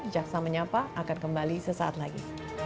jaksa menyapa akan kembali sesaat lagi